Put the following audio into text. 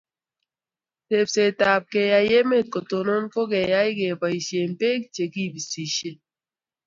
Tepset ab keyai emet kotonon ko keyai kebaishe peek chekipisishei